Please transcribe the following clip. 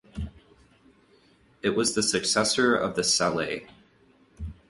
It was the successor of the sallet.